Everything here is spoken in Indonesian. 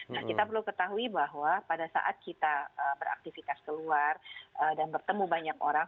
nah kita perlu ketahui bahwa pada saat kita beraktivitas keluar dan bertemu banyak orang